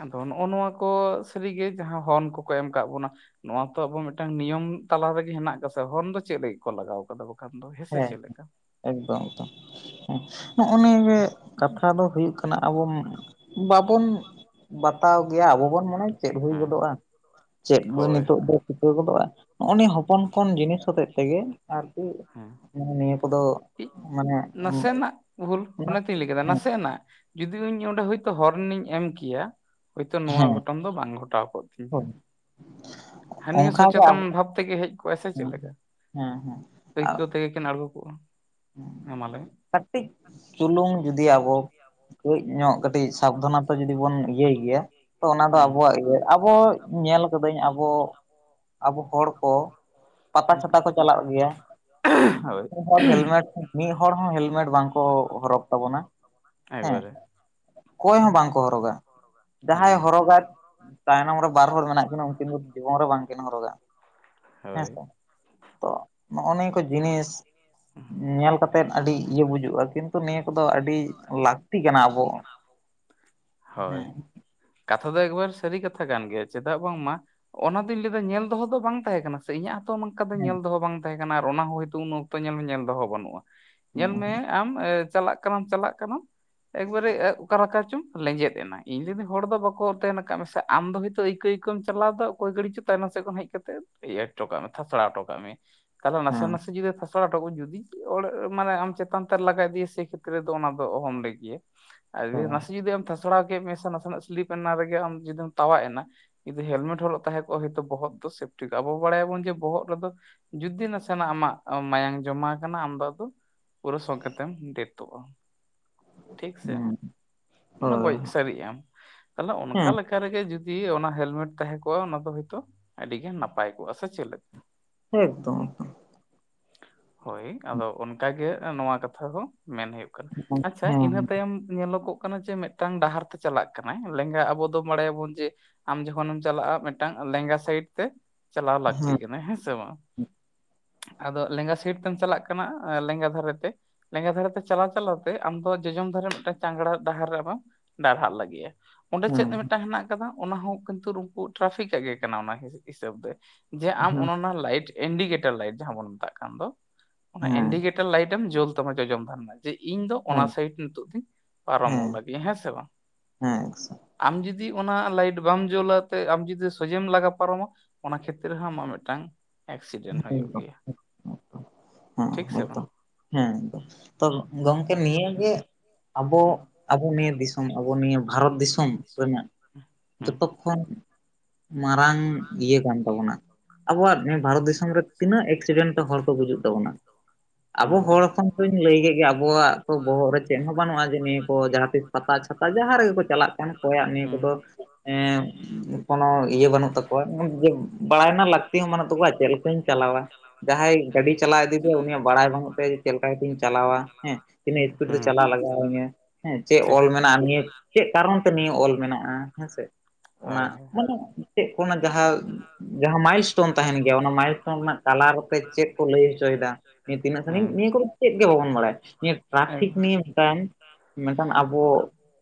ᱟᱫᱚ ᱱᱚᱜ-ᱚ ᱱᱚᱣᱟ ᱠᱚ ᱥᱟᱹᱨᱤᱜᱮ ᱡᱟᱦᱟᱸ ᱦᱚᱨᱚᱱ ᱠᱚᱠᱚ ᱮᱢ ᱠᱟᱫ ᱵᱚᱱᱟ ᱱᱚᱣᱟ ᱛᱚ ᱟᱵᱚ ᱢᱤᱫᱴᱟᱝ ᱱᱤᱭᱚᱢ ᱛᱟᱞᱟ ᱨᱮᱜᱮ ᱦᱮᱱᱟᱜ ᱠᱟᱥᱮ ᱦᱚᱨᱚᱱ ᱫᱚ ᱪᱮᱫ ᱞᱟᱹᱜᱤᱫ ᱠᱚ ᱞᱟᱜᱟᱣ ᱠᱟᱫᱟ [unintelligible] ᱫᱚ ᱦᱮᱸᱥᱮ ᱦᱮᱸ ᱪᱮᱫ ᱞᱮᱠᱟ ᱮᱠᱫᱚᱢ ᱮᱠᱫᱚᱢ, ᱱᱚᱜᱼᱚ ᱱᱤᱭᱟᱹᱜᱮ ᱠᱟᱛᱷᱟ ᱫᱚ ᱦᱩᱭᱩᱜ ᱠᱟᱱᱟ ᱟᱵᱚ ᱵᱟᱵᱚᱱ ᱵᱟᱛᱟᱣ ᱜᱮᱭᱟ, ᱟᱵᱚ ᱵᱚᱱ ᱢᱚᱱᱮᱭᱟ ᱪᱮᱫ ᱦᱩᱭ ᱦᱮᱸ ᱜᱚᱫᱚᱜᱼᱟ? ᱪᱮᱫ ᱵᱚ ᱦᱳᱭ ᱱᱤᱛᱚᱜ ᱦᱳᱭ ᱫᱚ ᱪᱤᱠᱟᱹ ᱜᱚᱫᱚᱜᱼᱟ, ᱱᱚᱜᱚ ᱱᱚᱮᱟ ᱦᱚᱯᱚᱱ ᱦᱚᱯᱚᱱ ᱡᱤᱱᱤᱥ ᱦᱚᱛᱮᱡ ᱛᱮᱜᱮ ᱟᱨᱠᱤ ᱦᱮᱸ ᱱᱤᱭᱟᱹ ᱠᱚᱫᱚ ᱢᱟᱱᱮ ᱱᱟᱥᱮ ᱱᱟᱜ ᱵᱷᱩᱞ, ᱚᱱᱟᱛᱤᱧ ᱞᱟᱹᱭ ᱠᱮᱫᱟ ᱦᱮᱸ ᱱᱟᱥᱮᱱᱟᱜ᱾ ᱡᱩᱫᱤ ᱤᱧ ᱚᱸᱰᱮ ᱦᱳᱭᱛᱚ ᱦᱚᱨᱮᱱ ᱤᱧ ᱮᱢ ᱠᱮᱭᱟ, ᱦᱳᱭᱛᱚ ᱱᱚᱣᱟ ᱦᱮᱸ ᱜᱷᱚᱴᱚᱱ ᱫᱚ ᱵᱟᱝ ᱜᱷᱚᱴᱟᱣ ᱠᱚᱜ ᱛᱤᱧᱟᱹ᱾ ᱦᱳᱭ ᱦᱟᱹᱱᱤ ᱦᱚᱸ ᱚᱱᱠᱟᱜᱮ ᱥᱚᱪᱮᱛᱚᱱ ᱟᱵᱚ ᱵᱷᱟᱵ ᱛᱮᱜᱮ ᱦᱮᱡ ᱠᱚᱜᱟᱭ ᱥᱮ ᱪᱮᱫ ᱦᱮᱸ ᱞᱮᱠᱟ, ᱦᱮᱸ ᱦᱮᱸ ᱟᱹᱭᱠᱟᱹᱣ ᱛᱮᱜᱮ ᱠᱤᱱ ᱟᱬᱜᱚ ᱮ ᱢᱟ ᱞᱮᱭᱢᱮ᱾ ᱠᱟᱹᱴᱤᱡ ᱪᱩᱞᱩᱝ ᱡᱩᱫᱤ ᱟᱵᱚ ᱠᱟᱹᱡ ᱧᱚᱜ ᱠᱟᱹᱴᱤᱡ ᱥᱟᱵᱫᱷᱟᱱᱚᱛᱚ ᱡᱩᱫᱤ ᱵᱚᱱ ᱤᱭᱟᱹᱭ ᱜᱮᱭᱟ, ᱛᱚ ᱚᱱᱟ ᱫᱚ ᱟᱵᱚᱣᱟᱜ ᱤᱭᱟᱹ ᱟᱵᱚ ᱧᱮᱞ ᱠᱟᱹᱫᱟᱹᱧ ᱟᱵᱚ, ᱟᱵᱚ ᱦᱚᱲ ᱠᱚ ᱯᱟᱛᱟ ᱦᱮᱸ ᱪᱷᱟᱛᱟ ᱠᱚ ᱪᱟᱞᱟᱜ ᱜᱮᱭᱟ᱾ ᱦᱳᱭ ᱩᱱᱠᱩ ᱦᱚᱲ ᱦᱮᱞᱢᱮᱴ ᱢᱤᱫ ᱦᱚᱲ ᱦᱚᱸ ᱦᱮᱞᱢᱮᱴ ᱵᱟᱝᱠᱚ ᱦᱚᱨᱚᱜ ᱛᱟᱵᱚᱱᱟ ᱦᱮᱸ᱾ ᱮᱠᱵᱟᱨᱮ ᱚᱠᱚᱭ ᱦᱚᱸ ᱵᱟᱝᱠᱚ ᱦᱚᱨᱚᱜᱼᱟ᱾ ᱡᱟᱦᱟᱸᱭ ᱦᱩᱸ ᱦᱚᱨᱚᱜᱼᱟ ᱛᱟᱭᱱᱚᱢ ᱨᱮ ᱵᱟᱨ ᱦᱚᱲ ᱢᱮᱱᱟᱜ ᱠᱤᱱᱟ, ᱩᱱᱠᱤᱱ ᱫᱚ ᱡᱤᱵᱚᱱ ᱨᱮ ᱵᱟᱝᱠᱤᱱ ᱦᱚᱨᱚᱜᱼᱟ ᱦᱳᱭ ᱦᱮᱸᱥᱮ᱾ ᱛᱚ ᱱᱚᱭ ᱱᱤᱭᱟᱹ ᱠᱚ ᱡᱤᱱᱤᱥ ᱧᱮᱞ ᱠᱟᱛᱮᱫ ᱟᱹᱰᱤ ᱤᱭᱟᱹ ᱵᱩᱡᱩᱜᱼᱟ᱾ ᱠᱤᱱᱛᱩ ᱱᱤᱭᱟᱹ ᱠᱚᱫᱚ ᱟᱹᱰᱤ ᱞᱟᱹᱠᱛᱤ ᱠᱟᱱᱟ ᱟᱵᱚ ᱞᱟᱹᱠᱛᱤ ᱠᱟᱱᱟ ᱦᱳᱭ᱾ ᱦᱮᱸ ᱠᱟᱛᱷᱟ ᱫᱚ ᱮᱠᱵᱟᱨ ᱥᱟᱹᱨᱤ ᱠᱟᱛᱷᱟ ᱠᱟᱱ ᱜᱮᱭᱟ, ᱪᱮᱫᱟᱜ ᱵᱟᱝᱢᱟ ᱚᱱᱟ ᱫᱚᱧ ᱞᱟᱹᱭᱟ ᱧᱮᱞ ᱫᱚᱦᱚ ᱫᱚ ᱵᱟᱝ ᱛᱟᱦᱮᱸ᱾ ᱠᱟᱱᱟ ᱥᱮ ᱤᱧᱟᱹᱜ ᱦᱚᱸᱛᱚ ᱚᱱᱠᱟ ᱫᱚ ᱦᱮᱸ ᱧᱮᱞ ᱫᱚᱦᱚ ᱵᱟᱝ ᱛᱟᱦᱮᱸ ᱠᱟᱱᱟ, ᱟᱨ ᱚᱱᱟ ᱦᱚᱸᱭᱛᱳ ᱩᱱ ᱚᱠᱛᱚ ᱧᱮᱞ ᱫᱚᱦᱚ ᱵᱟᱹᱱᱩᱜᱼᱟ᱾ ᱧᱮᱞ ᱦᱮᱸ ᱢᱮ ᱟᱢ, ᱪᱟᱞᱟᱜ ᱠᱟᱱᱟᱢ ᱪᱟᱞᱟᱜ ᱠᱟᱱᱟᱢ ᱮᱠᱵᱟᱨᱮ ᱮᱸ ᱚᱠᱟᱞᱮᱠᱟ ᱪᱚᱝ ᱞᱮᱸᱡᱮᱫ ᱮᱱᱟ, ᱤᱧ ᱡᱩᱫᱤ ᱦᱚᱲ ᱫᱚ ᱵᱟᱠᱚ ᱛᱮᱱ ᱟᱠᱟᱫ ᱢᱮᱥᱮ ᱟᱢ ᱫᱚ ᱦᱳᱭᱛᱳ ᱟᱹᱭᱠᱟᱹ ᱟᱹᱭᱠᱟᱹ [unintelligible] ᱪᱟᱞᱟᱣ ᱮᱫᱟ ᱚᱠᱚᱭ ᱜᱟᱰᱤ ᱪᱚ ᱛᱟᱭᱱᱚᱢ ᱥᱮᱫ ᱠᱷᱚᱱ ᱦᱮᱡ ᱠᱟᱛᱮ ᱤᱭᱟᱹ ᱦᱚᱴᱚ ᱠᱟᱜ ᱢᱮ, ᱛᱷᱟᱥᱲᱟ ᱦᱚᱴᱚ ᱠᱟᱜ ᱢᱮ᱾ ᱛᱟᱦᱞᱮ ᱱᱟᱥᱮ ᱦᱮᱸ ᱱᱟᱥᱮ ᱡᱩᱫᱤ ᱯᱷ ᱛᱷᱟᱴᱚ [unintelligible] ᱡᱩᱫᱤ ᱚᱲᱜ ᱢᱟᱱᱮ ᱟᱢ ᱪᱮᱛᱟᱱ ᱛᱮ ᱞᱟᱜᱟ ᱤᱫᱮᱭᱟ ᱥᱮ ᱠᱷᱮᱛᱨᱮ ᱫᱚ ᱚᱱᱟ ᱫᱚ ᱚᱦᱚᱢ ᱞᱟᱭ ᱠᱮᱭᱟ᱾ ᱟᱨ ᱦᱮᱸ ᱱᱟᱥᱮ ᱡᱩᱫᱤ ᱟᱢ ᱛᱷᱟᱥᱲᱟᱣ ᱠᱮᱫ ᱢᱮᱭᱟ, ᱥᱮ ᱱᱟᱥᱮᱱᱟᱜ ᱥᱞᱤᱯ ᱮᱱᱟ ᱨᱮᱜᱮ ᱟᱢ ᱡᱩᱫᱤᱢ ᱛᱟᱣᱟᱜ ᱮᱱᱟ ᱡᱩᱫᱤ ᱦᱮᱞᱢᱮᱴ ᱦᱚᱨᱚᱜ ᱛᱟᱦᱮᱸ ᱠᱚᱜ ᱦᱚᱭᱛᱚ ᱵᱚᱦᱚᱜ ᱫᱚ ᱥᱮᱯᱴᱤ ᱠᱚ-ᱟ᱾ ᱟᱵᱚ ᱵᱟᱲᱟᱭᱟ ᱵᱚᱱ ᱡᱮ ᱵᱚᱦᱚᱜ ᱨᱮᱫᱚ ᱡᱩᱫᱤ ᱱᱟᱥᱮᱱᱟᱜ ᱟᱢᱟᱜ ᱢᱟᱭᱟᱝ ᱡᱚᱢᱟ ᱟᱠᱟᱱᱟ, ᱟᱢ ᱫᱚ ᱟᱫᱚ ᱯᱩᱨᱟᱹ ᱥᱚᱜᱮ ᱛᱮᱢ ᱰᱮᱛᱚᱜᱼᱟ᱾ ᱴᱷᱤᱠ ᱥᱮ, ᱦᱮᱸ ᱢᱟᱱᱮ ᱜᱚᱡᱽ ᱦᱳᱭ ᱥᱟᱹᱨᱤᱜ ᱟᱢ᱾ ᱛᱟᱦᱚᱞᱮ ᱦᱮᱸ ᱚᱱᱠᱟ ᱞᱮᱠᱟ ᱪᱮᱠᱟ ᱨᱮᱜᱮ ᱡᱩᱫᱤ ᱚᱱᱟ ᱦᱮᱞᱢᱮᱴ ᱛᱟᱦᱮᱸ ᱠᱚᱜᱼᱟ, ᱚᱱᱟ ᱫᱚ ᱦᱳᱭᱛᱚ ᱟᱹᱰᱤ ᱜᱮ ᱱᱟᱯᱟᱭ ᱠᱚᱜᱼᱟ ᱥᱮ ᱪᱮᱫ ᱞᱮᱠᱟ? ᱮᱠᱫᱚᱢ ᱮᱠᱫᱚᱢ ᱾ ᱦᱳᱭ ᱟᱫᱚ ᱚᱱᱠᱟᱜᱮ, ᱱᱚᱣᱟ ᱠᱟᱛᱷᱟ ᱫᱚ ᱢᱮᱱ ᱦᱩᱭᱩᱜ ᱠᱟᱱᱟ᱾ ᱮᱠᱫᱚᱢ ᱟᱪᱪᱷᱟ ᱦᱮᱸ ᱧᱮᱞᱚᱜ ᱠᱟᱱᱟ ᱡᱮ, ᱢᱤᱫᱴᱟᱝ ᱰᱟᱦᱟᱨ ᱛᱮ ᱪᱟᱞᱟᱜ ᱠᱟᱱᱟ ᱞᱮᱸᱜᱟ ᱟᱵᱚ ᱫᱚ ᱵᱟᱲᱟᱭᱟᱵᱚᱱ ᱡᱮ ᱟᱢ ᱡᱚᱠᱷᱚᱱᱮᱢ ᱪᱟᱞᱟᱜᱼᱟ, ᱢᱤᱫᱴᱟᱱ ᱞᱮᱸᱜᱟ ᱥᱟᱭᱤᱰ ᱛᱮ ᱪᱟᱞᱟᱣ ᱞᱟᱹᱠᱛᱤ ᱠᱟᱱᱟ ᱦᱮᱸ ᱥᱮ ᱵᱟᱝ᱾ ᱟᱫᱚ ᱞᱮᱸᱜᱟ ᱥᱟᱭᱤᱴ ᱛᱮᱢ ᱪᱟᱞᱟᱜ ᱠᱟᱱᱟ ᱞᱮᱸᱜᱟ ᱫᱷᱟᱨᱮᱛᱮ᱾ ᱞᱮᱸᱜᱟ ᱫᱷᱟᱨᱮ ᱛᱮ ᱪᱟᱞᱟᱣ ᱪᱟᱞᱟᱣ ᱛᱮ, ᱟᱢᱫᱚ ᱡᱚᱡᱚᱢ ᱫᱷᱟᱨᱮ ᱢᱤᱫᱴᱟᱝ ᱪᱟᱝᱲᱟ ᱰᱟᱦᱟᱨ ᱨᱮ ᱟᱢ ᱰᱟᱨᱦᱟᱜ ᱞᱟᱹᱜᱤᱫᱼᱟ᱾ ᱚᱸᱰᱮ ᱪᱮᱫ ᱦᱮᱸ ᱢᱤᱫᱴᱟᱱ ᱦᱮᱱᱟᱜ ᱟᱠᱟᱫᱟ, ᱚᱱᱟᱦᱚᱸ ᱠᱤᱱᱛᱩ ᱩᱱᱠᱩ ᱴᱨᱟᱯᱷᱤᱠ ᱟᱜ ᱜᱮ ᱠᱟᱱᱟ ᱚᱱᱟ ᱦᱤᱥᱟᱹᱵ ᱫᱚ ᱾ ᱡᱮ ᱟᱢ ᱦᱮᱸ ᱚᱱ ᱚᱱᱟ ᱞᱟᱭᱤᱴ ᱤᱱᱰᱤᱠᱮᱴᱟᱨ ᱞᱟᱭᱤᱴ ᱡᱟᱦᱟᱸ ᱵᱚᱱ ᱢᱮᱛᱟᱜ ᱠᱟᱱ ᱫᱚ, ᱚᱱᱟ ᱦᱮᱸ ᱤᱱᱰᱤᱠᱮᱴ ᱞᱟᱭᱤᱴ ᱮᱢ ᱡᱩᱞ ᱛᱟᱢᱟ ᱡᱚᱡᱚᱢ ᱫᱷᱟᱨᱮᱱᱟᱜ, ᱡᱮ ᱤᱧ ᱫᱚ ᱚᱱᱟ ᱦᱮᱸ ᱥᱟᱭᱤᱴ ᱱᱤᱛᱚᱜ ᱫᱚᱧ ᱯᱟᱨᱚᱢᱚᱜ ᱞᱟᱹᱜᱤᱫ ᱦᱮᱸ ᱥᱮ ᱵᱟᱝ᱾ ᱦᱮᱸ ᱟᱢ ᱡᱩᱫᱤ ᱚᱱᱟ ᱞᱟᱭᱤᱴ ᱵᱟᱢ ᱡᱳᱞᱟᱛᱮ ᱟᱢ ᱡᱩᱫᱤ ᱥᱚᱡᱷᱮᱢ ᱞᱟᱜᱟ ᱯᱟᱨᱚᱢᱟ᱾ ᱚᱱᱟ ᱠᱷᱮᱛᱨᱮ ᱨᱮ ᱦᱚᱸ, ᱟᱢᱟᱜ ᱢᱤᱫᱴᱟᱝ ᱮᱠᱥᱤᱰᱮᱱᱴ ᱦᱮᱸ ᱦᱩᱭᱩᱜ ᱮᱠᱫᱚᱢ ᱜᱮᱭᱟ ᱦᱮᱸ ᱾ᱴᱷᱤᱠ ᱥᱮ ᱵᱟᱝ? ᱮᱠᱫᱚᱢ ᱦᱮᱸ ᱛᱚ ᱜᱚᱝᱠᱮ ᱱᱤᱭᱟᱹᱜᱮ ᱦᱩᱸ ᱟᱵᱚ ᱟᱵᱚ ᱱᱤᱭᱟᱹ ᱫᱤᱥᱚᱢ ᱟᱵᱚ ᱱᱤᱭᱟᱹ ᱵᱷᱟᱨᱚᱛ ᱫᱤᱥᱚᱢ ᱨᱮᱱᱟᱜ ᱦᱩᱸ ᱡᱚᱛᱚ ᱠᱷᱚᱱ ᱢᱟᱨᱟᱝ ᱤᱭᱟᱹ ᱠᱟᱱ ᱛᱟᱵᱚᱱᱟ ᱟᱵᱚᱣᱟᱜ ᱵᱷᱟᱨᱚᱛ ᱫᱤᱥ ᱨᱮ ᱛᱤᱱᱟᱹᱜ ᱮᱠᱥᱤᱰᱮᱱᱴ ᱦᱚᱲ ᱠᱚ ᱜᱩᱡᱩᱜ ᱛᱟᱵᱚᱱᱟ? ᱟᱵᱚ ᱦᱩᱸ ᱦᱚᱲ ᱦᱚᱯᱚᱱ ᱠᱚᱧ ᱞᱟᱹᱭ ᱠᱮᱜ ᱜᱮᱭᱟ ᱜᱮ ᱟᱵᱚᱣᱟᱜ ᱛᱚ ᱵᱚᱦᱚᱜ ᱨᱮ ᱪᱮᱫ ᱦᱚᱸ ᱵᱟᱹᱱᱩᱜᱼᱟ ᱡᱮ ᱱᱤᱭᱟᱹ ᱠᱚ ᱡᱟᱦᱟᱸ ᱛᱤᱥ ᱯᱟᱛᱟ ᱪᱷᱟᱛᱟ ᱡᱟᱦᱟᱸ ᱨᱮᱜᱮ ᱠᱚ ᱪᱟᱞᱟᱜ ᱠᱟᱱ ᱠᱚᱭᱟᱜ ᱱᱤᱭᱟᱹ ᱦᱩᱸ ᱠᱚᱫᱚ ᱦᱩᱸ ᱮᱸ ᱠᱳᱱᱳ ᱤᱭᱟᱹ ᱵᱟᱹᱱᱩᱜ ᱛᱟᱠᱚᱣᱟ ᱡᱮ ᱵᱟᱲᱟᱭ ᱨᱮᱱᱟᱜ ᱞᱟᱹᱠᱛᱤ ᱦᱚᱸ ᱵᱟᱹᱱᱩᱜ ᱛᱟᱠᱚᱣᱟ ᱪᱮᱫ ᱞᱮ ᱠᱟᱹᱧ ᱪᱟᱞᱟᱣᱟ ᱡᱟᱦᱟᱸᱭ ᱜᱟᱹᱰᱤ ᱪᱟᱞᱟᱣ ᱤᱫᱤᱭ ᱫᱟ ᱩᱱᱤᱭᱟᱜ ᱵᱟᱲᱟᱭ ᱵᱟᱹᱱᱩᱜ ᱛᱟᱭᱟ ᱡᱮ ᱪᱮᱫ ᱞᱮᱠᱟ ᱠᱟᱛᱮᱧ ᱪᱟᱞᱟᱣᱟ ᱦᱮᱸ᱾ ᱛᱤᱱᱟᱹᱜ ᱤᱥᱯᱤᱰ ᱨᱮ ᱦᱩᱸ ᱪᱟᱞᱟᱣ ᱞᱟᱜᱟᱣ ᱤᱧᱟᱹ ᱦᱮᱸ ᱪᱮᱜ ᱴᱷᱤᱠ ᱚᱞ ᱴᱷᱤᱠ ᱢᱮᱱᱟᱜᱼᱟ ᱱᱤᱭᱟᱹ ᱪᱮᱜ ᱠᱟᱨᱚᱱ ᱛᱮ ᱱᱤᱭᱟᱹ ᱚᱞ ᱢᱮᱱᱟᱜᱼᱟ? ᱦᱮᱸᱥᱮ ᱚᱱᱟ ᱦᱳᱭ ᱦᱳᱭ ᱢᱟᱱᱮ ᱪᱮᱜ ᱠᱚ ᱚᱱᱟ ᱡᱟᱦᱟᱸ ᱡᱟᱦᱟᱸ ᱢᱟᱭᱤᱞ ᱮᱥᱴᱚᱱ ᱛᱟᱦᱮᱱ ᱜᱮᱭᱟ ᱚᱱᱟ ᱢᱟᱭᱤ ᱴᱚᱱ ᱨᱮᱱᱟᱜ ᱠᱟᱞᱟᱨ ᱟᱛᱮ ᱪᱮᱜ ᱠᱚ ᱞᱟᱹᱭ ᱦᱚᱪᱚᱭᱫᱟ? ᱱᱤᱭᱟᱹ ᱛᱤᱱᱟᱹᱜ ᱥᱟᱺᱜᱤᱧ ᱦᱩᱸ ᱱᱤᱭᱟᱹ ᱠᱚᱫᱚ ᱪᱮᱫ ᱜᱮ ᱵᱟᱵᱚᱱ ᱵᱟᱲᱟᱭᱟ ᱱᱤᱭᱟᱹ ᱮᱠ ᱴᱨᱟᱯᱷᱤᱠ ᱱᱤᱭᱟᱹ ᱛᱟᱢ ᱢᱮᱱᱠᱷᱟᱱ ᱟᱵᱚ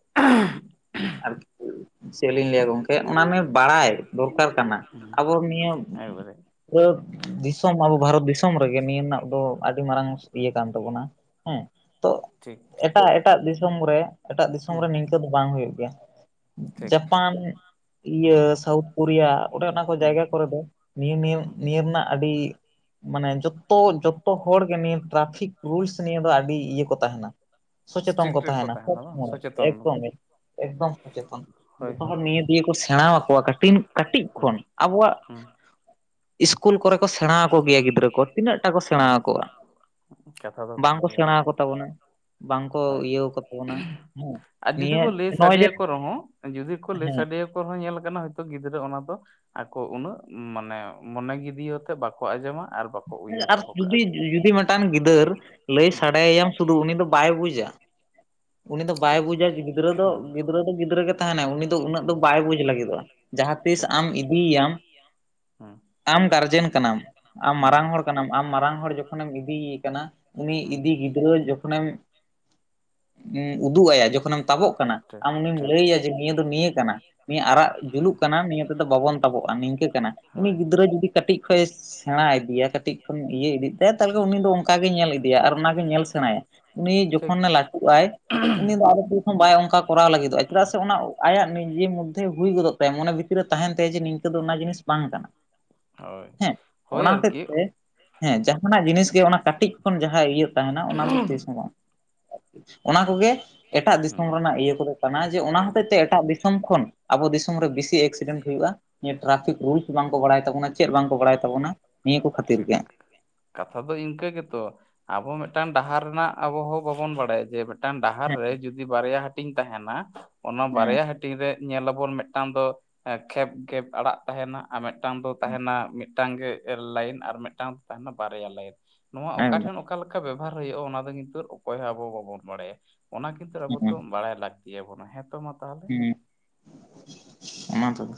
[inaudible] ᱟᱨ ᱪᱮᱜ ᱞᱤᱧ ᱞᱟᱹᱭᱟ ᱜᱚᱝᱠᱮ ᱚᱱᱟᱢᱮ ᱵᱟᱲᱟᱭ ᱫᱚᱨᱠᱟᱨ ᱠᱟᱱᱟ ᱦᱩᱸ ᱟᱵᱚ ᱱᱤᱭᱟᱹ ᱮᱠᱵᱟᱨᱮ ᱯᱩᱨᱟᱹ ᱫᱤᱥᱚᱢ ᱟᱵᱚ ᱵᱷᱟᱨᱚᱛ ᱫᱤᱥᱚᱢ ᱨᱮᱜᱮ ᱱᱤᱭᱟᱹ ᱨᱮᱱᱟᱜ ᱫᱚ ᱟᱹᱰᱤ ᱢᱟᱨᱟᱝ ᱤᱭᱟᱹ ᱠᱟᱱ ᱛᱟᱵᱚᱱᱟ ᱦᱮᱸ ᱛᱚ ᱴᱷᱤᱠ ᱴᱷᱤᱠ ᱮᱴᱟᱜ ᱮᱴᱟᱜ ᱫᱤᱥᱚᱢ ᱨᱮ ᱮᱴᱟᱜ ᱫᱤᱥᱚᱢ ᱦᱩᱸ ᱨᱮ ᱱᱤᱝᱠᱟᱹ ᱫᱚ ᱵᱟᱝ ᱦᱩᱭᱩᱜ ᱜᱮᱭᱟ᱾ ᱴᱷᱤᱠ ᱡᱟᱯᱟᱱ ᱤᱭᱟᱹ ᱦᱩᱸ ᱥᱟᱣᱩᱛ ᱠᱳᱨᱤᱭᱟ ᱚᱱᱮ ᱚᱱᱟ ᱠᱚ ᱦᱩᱸ ᱡᱟᱭᱜᱟ ᱠᱚᱨᱮ ᱫᱚ ᱱᱤᱭᱟᱹ ᱱᱤᱭᱚᱢ ᱦᱩᱸ ᱱᱤᱭᱟᱹ ᱨᱮᱱᱟᱜ ᱟᱹᱰᱤ ᱢᱟᱱᱮ ᱡᱚᱛᱚ ᱡᱚᱛᱟ ᱦᱚᱲᱜᱮ ᱱᱤᱭᱟᱹ ᱴᱨᱟᱯᱷᱤᱠ ᱨᱩᱞᱥ ᱱᱤᱭᱟᱹ ᱫᱚ ᱟᱹᱰᱤ ᱤᱭᱟᱹ ᱠᱚ ᱛᱟᱦᱮᱱᱟ᱾ ᱥᱚᱪᱮᱛᱚᱱ ᱠᱚ ᱥᱴᱨᱤᱠᱴ ᱨᱮᱠᱚ ᱛᱟᱦᱮᱱᱟ ᱥᱚᱵ ᱵᱟᱝ ᱥᱚᱢᱚᱭ ᱥᱚᱪᱮᱛᱚᱱ ᱮᱠᱫᱚᱢ ᱜᱮ ᱮᱠ ᱮᱠᱫᱚᱢ ᱥᱚᱪᱮᱛᱚᱱ ᱦᱳᱭ ᱡᱷᱚᱛᱚ ᱦᱚᱲ ᱦᱳᱭ ᱱᱤᱭᱟᱹ ᱫᱤᱭᱮ ᱠᱚ ᱥᱮᱬᱟ ᱟᱠᱚᱣᱟ ᱠᱟᱹᱴᱤᱱ ᱠᱟᱹᱴᱤᱡ ᱦᱩᱸ ᱠᱷᱚᱱ ᱟᱵᱚᱣᱟᱜ ᱤᱥᱠᱩᱞ ᱠᱚᱨᱮᱠᱚ ᱥᱮᱢᱟᱣ ᱟᱠᱚ ᱜᱮᱭᱟ ᱜᱤᱫᱽᱨᱟᱹ ᱠᱚ ᱛᱤᱱᱟᱜ ᱴᱟ ᱠᱚ ᱥᱮᱬᱟᱣ ᱟᱠᱚ ᱠᱟᱱᱟ? ᱠᱟᱛᱷᱟ ᱫᱚ ᱠᱟᱱ ᱜᱮᱭᱟ᱾ ᱵᱟᱝ ᱥᱮᱬᱟᱣ ᱟᱠᱚ ᱫᱚ ᱛᱟᱵᱚᱱᱟ ᱵᱟᱝᱠᱚ ᱦᱳᱭ ᱤᱭᱟᱹᱣ ᱠᱚ ᱛᱟᱵᱚᱱᱟ ᱦᱮᱸ ᱟᱨ ᱡᱩᱫᱤ ᱠᱚ ᱱᱤᱭᱟᱹ ᱞᱟᱹᱭ ᱱᱚᱜᱼᱚᱭ ᱡᱮ ᱥᱟᱰᱮᱭᱟᱠᱚ ᱨᱮᱦᱚᱸ ᱡᱩᱫᱤ ᱠᱚ ᱞᱟᱹᱭ ᱦᱮᱸ ᱥᱟᱰᱮᱭᱟ ᱠᱚᱦᱚᱸ ᱧᱮᱞ ᱠᱟᱱᱟ ᱦᱚᱭᱛᱚ ᱜᱤᱫᱽᱨᱟᱹ ᱚᱱᱟ ᱫᱚ ᱟᱠᱚ ᱩᱱᱟᱹᱜ ᱢᱟᱱᱮ ᱢᱚᱱᱮ ᱜᱮ ᱤᱭᱟᱹ ᱠᱟᱛᱮᱜ ᱵᱟᱠᱚ ᱟᱸᱡᱚᱢᱟ ᱟᱨ ᱵᱟᱠᱚ ᱩᱭᱦᱟᱹᱨ ᱟᱨ ᱫᱚᱦᱚ ᱠᱟᱜᱼᱟ ᱡᱩᱫᱤ ᱡᱩᱫᱤ ᱢᱤᱫᱴᱟᱝ ᱜᱤᱫᱟᱹᱨ ᱞᱟᱹᱭ ᱦᱩᱸ ᱥᱟᱰᱮ ᱟᱭᱟᱢ᱾ ᱥᱩᱫᱩ ᱩᱱᱤ ᱫᱚ ᱵᱟᱭ ᱵᱩᱡᱟ, ᱩᱱᱤ ᱫᱚ ᱵᱟᱭ ᱴᱷᱤᱠ ᱵᱩᱡᱟ ᱜᱤᱫᱽᱨᱟᱹ ᱫᱚ ᱦᱩᱸ ᱜᱤ ᱜᱤᱫᱽᱨᱟᱹ ᱫᱚ ᱜᱤᱫᱽᱨᱟᱹ ᱜᱮ ᱛᱟᱦᱮᱱᱟᱭ ᱩᱱᱤ ᱫᱚ ᱩᱱᱟᱹᱜ ᱫᱚ ᱵᱟᱭ ᱵᱩᱡᱽ ᱞᱟᱹᱜᱤᱫᱚᱜᱼᱟ ᱡᱟᱦᱟᱸ ᱛᱤᱥ ᱟᱢ ᱤᱫᱤᱭᱭᱟᱢ ᱟᱢ ᱜᱟᱨᱡᱮᱱ ᱠᱟᱱᱟᱢ ᱟᱢ ᱢᱟᱨᱟᱝ ᱦᱚᱲ ᱠᱟᱱᱟᱢ ᱟᱢ ᱢᱟᱨᱟᱝ ᱦᱚᱲ ᱡᱚᱠᱷᱚᱱᱮᱢ ᱤᱫᱤᱭᱮᱢ ᱠᱟᱱᱟ ᱩᱱᱤ ᱤᱫᱤ ᱜᱮ ᱜᱤᱫᱽᱨᱟᱹ ᱡᱚᱠᱷᱚᱱᱮᱢ ᱩᱸ ᱩᱫᱩᱜ ᱟᱭᱟ ᱡᱚᱠ ᱠᱷᱚᱱᱮᱢ ᱛᱟᱵᱚᱜ ᱠᱟᱱᱟ ᱟᱢ ᱩᱱᱤᱢ ᱞᱟᱹᱭᱟᱭᱟ ᱡᱮ ᱱᱤᱭᱟᱹ ᱫᱚ ᱱᱤᱭᱟᱹ ᱠᱟᱱᱟ᱾ ᱱᱤᱭᱟᱹ ᱟᱨᱟᱜ ᱡᱩᱞᱩᱜ ᱠᱟᱱᱟ ᱱᱤᱭᱟᱹ ᱛᱮᱫᱚ ᱵᱟᱵᱚᱱ ᱛᱟᱵᱚᱜᱼᱟ ᱱᱤᱝᱠᱟᱹ ᱠᱟᱱᱟ ᱩᱱᱤ ᱜᱤᱫᱽᱨᱟᱹ ᱡᱩᱫᱤ ᱠᱟᱹᱴᱤᱡ ᱠᱷᱚᱡ ᱥᱮ ᱥᱮᱬᱟ ᱤᱫᱤᱭᱟ ᱠᱟᱹᱴᱤᱡ ᱠᱷᱚᱱ ᱤᱭᱟᱹ ᱤᱫᱤᱜ ᱛᱟᱭᱟ ᱛᱟᱦᱞᱮ ᱠᱷᱟᱱ ᱩᱱᱤ ᱫᱚ ᱚᱝᱠᱟ ᱜᱮᱭ ᱧᱮᱞ ᱤᱫᱤᱭᱟ ᱟᱨ ᱚᱝᱠᱟ ᱜᱮ ᱧᱮᱞ ᱥᱮᱬᱟᱭᱟ᱾ ᱩᱱᱤ ᱴᱷᱤᱠ ᱡᱚᱠᱷᱚᱱᱮ ᱞᱟᱹᱴᱩᱜ ᱟᱭ ᱩᱱᱤ ᱫᱚ ᱟᱨ ᱵᱟᱭ ᱚᱝᱠᱟ ᱠᱚᱨᱟᱣ ᱞᱟᱹᱜᱤᱫᱚᱜᱼᱟ ᱪᱮᱫᱟᱜ ᱥᱮ ᱚᱱᱟ ᱟᱭᱟᱜ ᱱᱤᱡᱮ ᱢᱚᱫᱽᱫᱷᱮ ᱦᱩᱭ ᱜᱚᱫᱚᱜ ᱛᱟᱭᱟ, ᱢᱚᱱᱮ ᱵᱷᱤᱛᱤᱨ ᱨᱮ ᱛᱟᱦᱮᱱ ᱛᱟᱭᱟ ᱡᱮ ᱱᱤᱝ ᱠᱟᱹ ᱫᱚ ᱚᱱᱟ ᱡᱤᱱᱤᱥ ᱵᱟᱝ ᱠᱟᱱᱟ ᱦᱳᱭ ᱦᱮᱸ ᱦᱳᱭ ᱚᱱᱟ ᱦᱚᱛᱮᱡ ᱟᱨᱠᱤ ᱛᱮ ᱦᱮᱸ ᱡᱟᱦᱟᱱᱟᱜ ᱡᱤᱱᱤᱥ ᱜᱮ ᱚᱱᱟ ᱠᱟᱹᱴᱤᱡ ᱠᱷᱚᱱ ᱡᱟᱦᱟᱸ ᱤᱭᱟᱹ ᱛᱟᱦᱮᱸᱱᱟ ᱚᱱᱟ ᱫᱚ ᱛᱤᱥ ᱦᱚᱸ ᱵᱟᱝ ᱚᱱᱟ ᱠᱚᱜᱮ ᱮᱴᱟᱜ ᱦᱩᱸ ᱫᱤᱥᱚᱢ ᱨᱮᱱᱟᱜ ᱤᱭᱟᱹ ᱠᱚᱫᱚ ᱠᱟᱱᱟ ᱡᱮ ᱚᱱᱟ ᱦᱚᱛᱮᱡ ᱮᱠᱵᱟᱨ ᱛᱮ ᱮᱴᱟᱜ ᱫᱤᱥᱚᱢ ᱠᱷᱚᱱ ᱟᱵᱚ ᱫᱤᱥᱚᱢ ᱨᱮ ᱵᱮᱥᱤ ᱮᱠᱥᱤᱰᱮᱱᱴ ᱦᱩᱭᱩᱜᱼᱟ᱾ ᱱᱤᱭᱟᱹ ᱴᱨᱟᱯᱷᱤᱠ ᱨᱩᱞ ᱵᱟᱝᱠᱚ ᱵᱟᱲᱟᱭ ᱛᱟᱵᱚᱱᱟ, ᱪᱮᱫ ᱵᱟᱝᱠᱚ ᱵᱟᱲᱟᱭ ᱛᱟᱵᱚᱱᱟ ᱱᱤᱭᱟᱹ ᱠᱚ ᱠᱷᱟᱹᱛᱤᱨ ᱴᱷᱤᱠ ᱜᱮ᱾ ᱠᱟᱛᱷᱟ ᱫᱚ ᱤᱱᱠᱟᱹ ᱜᱮᱛᱚ ᱟᱵᱚ ᱢᱤᱫᱴᱟᱝ ᱰᱟᱦᱟᱨ ᱨᱮᱱᱟᱜ ᱟᱵᱚ ᱦᱚᱸ ᱵᱟᱵᱚᱱ ᱵᱟᱲᱟᱭᱟ ᱡᱮ ᱢᱤᱫᱴᱟᱝ ᱰᱟᱦᱟᱨ ᱦᱮᱸ ᱨᱮ ᱡᱩᱫᱤ ᱵᱟᱨᱭᱟ ᱦᱟᱹᱴᱤᱧ ᱛᱟᱦᱮᱱᱟ ᱚᱱᱟ ᱦᱮᱸ ᱵᱟᱨᱭᱟ ᱦᱟᱹᱴᱤᱧ ᱨᱮ ᱧᱮᱞᱟᱵᱚᱱ ᱢᱤᱫᱴᱟᱝ ᱫᱚ ᱮᱸ ᱠᱷᱮᱯ ᱠᱷᱮᱯ ᱟᱲᱟᱜ ᱛᱟᱦᱮᱸᱱᱟ ᱟ ᱢᱤᱫᱴᱟᱝ ᱫᱚ ᱛᱟᱦᱮᱱᱟ ᱢᱤᱫ ᱢᱤᱫᱴᱟᱝ ᱜᱮ ᱞᱟᱭᱤᱱ ᱟᱨ ᱢᱤᱫᱴᱟᱝ ᱫᱚ ᱛᱟᱦᱮᱱᱟ ᱵᱟᱨᱭᱟ ᱞᱟᱭᱤᱱ ᱱᱚᱣᱟ ᱚᱠᱟ ᱴᱷᱮᱱ ᱮᱠᱫᱚᱢ ᱚᱠᱟ ᱞᱮᱠᱟ ᱵᱮᱵᱚᱦᱟᱨ ᱦᱩᱭᱩᱜᱼᱟ ᱚᱱᱟ ᱫᱚ ᱠᱤᱱᱛᱩ ᱚᱠᱚᱭ ᱦᱚᱸ ᱟᱵᱚ ᱵᱟᱵᱚᱱ ᱵᱟᱲᱟᱭᱟ᱾ ᱚᱱᱟ ᱠᱤᱱᱛᱩ ᱟᱵᱚ ᱦᱮᱸ ᱛᱚ ᱵᱟᱲᱟᱭ ᱞᱟᱹᱠ ᱤᱭᱟᱹ ᱦᱮᱸ ᱛᱚ ᱢᱟ ᱛᱟᱷᱞᱮ ᱦᱩᱸ ᱚᱱᱟ ᱛᱚᱵᱮ